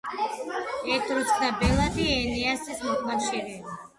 ეტრუსკთა ბელადი, ენეასის მოკავშირე.